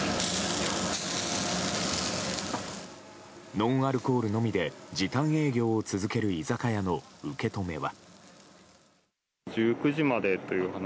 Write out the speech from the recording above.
ノンアルコールのみで時短営業を続ける居酒屋の受け止めは。